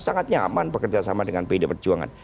sangat nyaman bekerja sama dengan pdi perjuangan